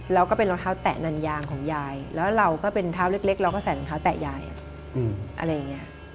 แล้วก็เป็นรองเท้าแตะนันยางของยายแล้วเราก็เป็นเท้าเล็กเราก็ใส่รองเท้าแตะยายอะไรอย่างนี้